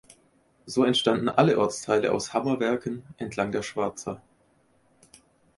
So entstanden alle Ortsteile aus Hammerwerken entlang der Schwarza.